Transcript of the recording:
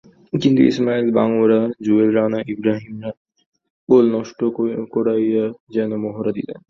কিন্তু Ismail Bangura, Jewel Rana, ইব্রাহিমরা goal নষ্ট করারই যেন মহড়া দিলেন।